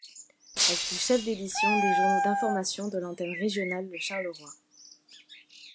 Elle fut chef d'édition des journaux d'information de l'antenne régionale de Charleroi.